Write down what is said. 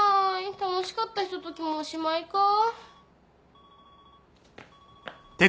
楽しかったひとときもおしまいかぁ。